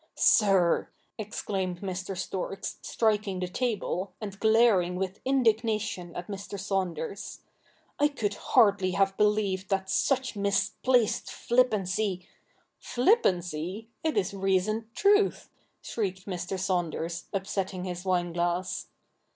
' Sir !' exclaimed Mr. Storks, striking the table, and glaring with indignation at Mr. Saunders, ' I could hardly have believed that such misplaced flippancy '' Flippancy ! it is reasoned truth,' shrieked Mr. Saunders, upsetting his wine glass.